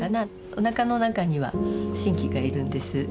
おなかの中には真気がいるんです。